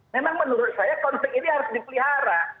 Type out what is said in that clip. memang menurut saya konflik ini harus dipelihara